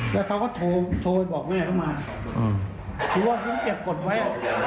แล้วเขาก็โทรไปบอกแม่เขามาคือว่าผมเก็บกฎไว้